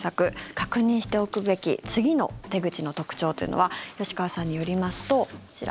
確認しておくべき次の手口の特徴というのは吉川さんによりますとこちら。